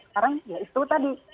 sekarang ya itu tadi